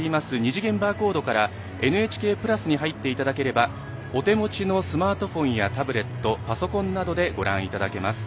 ２次元バーコードからＮＨＫプラスに入っていただければ、お手持ちのスマートフォンやタブレットパソコンなどでご覧いただけます。